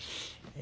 「え？